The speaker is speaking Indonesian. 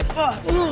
saya akan menang